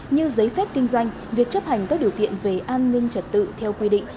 như giấy phép kinh doanh việc chấp hành các điều kiện về an ninh trật tự theo quy định